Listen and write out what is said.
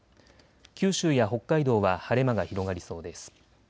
九州や北海道は晴れ間が広がりそうです。